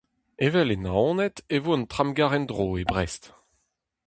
Evel e Naoned e vo un tramgarr en-dro e Brest.